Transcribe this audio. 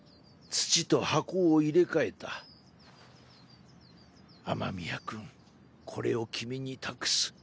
土と箱を入れ替えた「雨宮君これを君に託す。